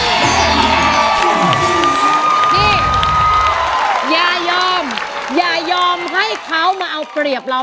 นี่อย่ายอมอย่ายอมให้เขามาเอาเปรียบเรา